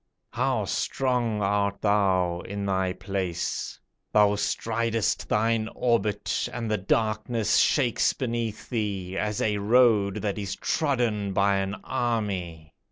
How strong art thou in thy place! Thou stridest thine orbit, And the darkness shakes beneath thee, As a road that is trodden by an army.